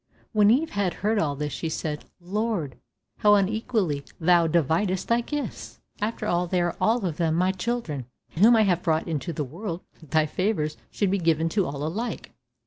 When Eve had heard all this she said, "Lord, how unequally thou dividest thy gifts! After all they are all of them my children, whom I have brought into the world, thy favours should be given to all alike."